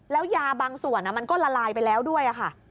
แล้วยาบางส่วนมันก็ละลายไปแล้วด้วยค่ะ